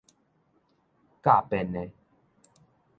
佮便的